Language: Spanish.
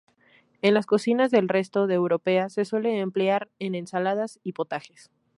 En las cocinas del resto de Europa se suele emplear en ensaladas y potajes.